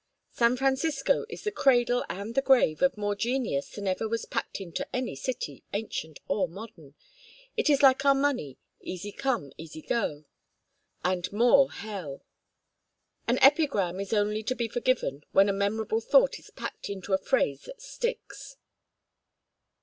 "San Francisco is the cradle and the grave of more genius than ever was packed into any city, ancient or modern. It is like our money, 'easy come, easy go.'" "And more Hell." "An epigram is only to be forgiven when a memorable thought is packed into a phrase that sticks."